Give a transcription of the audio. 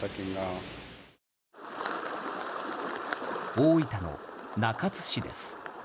大分の中津市です。